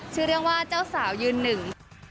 ชื่อเรื่องว่าเจ้าสาวยืนหนึ่ง